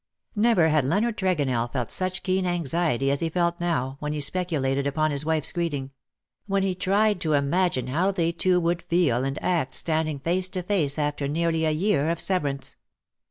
Never had Leonard Tregonell felt such keen anxiety as he felt now, when he speculated upon his wife^s greeting — when he tried to imagine how they two would feel and act standing face to face after nearly a year of severance.